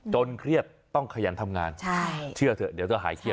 เครียดต้องขยันทำงานเชื่อเถอะเดี๋ยวจะหายเครียด